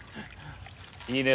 いいね